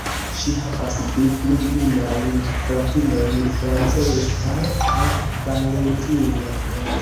Ŝi havas du pli junajn fratinojn, Francesca kaj Valentina.